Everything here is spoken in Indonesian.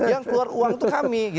yang keluar uang itu kami